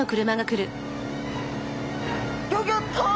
ギョギョッと！